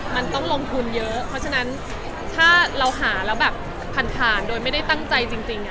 มันต้องลงทุนเยอะเพราะฉะนั้นถ้าเราหาแล้วแบบผ่านโดยไม่ได้ตั้งใจจริง